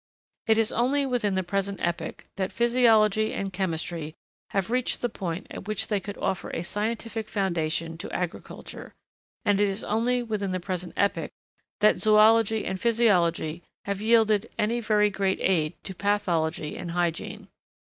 It is only within the present epoch, that physiology and chemistry have reached the point at which they could offer a scientific foundation to agriculture; and it is only within the present epoch, that zoology and physiology have yielded any very great aid to pathology and hygiene.